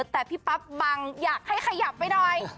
แต่พี่ปั๊บบังอยากให้ขยับไปหน่อย